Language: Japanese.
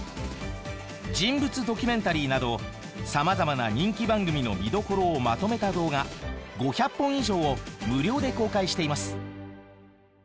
人物ドキュメンタリーなどさまざまな人気番組の見どころをまとめた動画５００本以上を無料で公開しています。